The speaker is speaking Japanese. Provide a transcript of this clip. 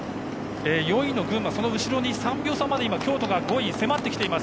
４位の群馬の後ろに３秒差で京都が５位に迫ってきています。